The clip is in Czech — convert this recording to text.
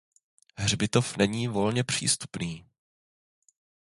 Hřbitov není volně přístupný.